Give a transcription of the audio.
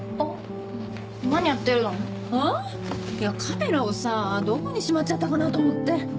カメラをさどこにしまっちゃったかなと思って。